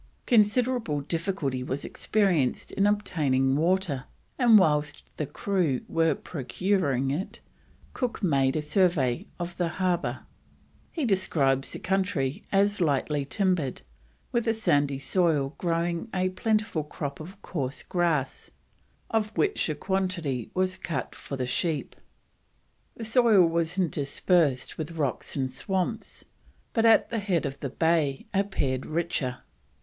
Considerable difficulty was experienced in obtaining water, and whilst the crew were procuring it, Cook made a survey of the harbour. He describes the country as lightly timbered, with a sandy soil growing a plentiful crop of coarse grass, of which a quantity was cut for the sheep. The soil was interspersed with rocks and swamps, but at the head of the bay appeared richer.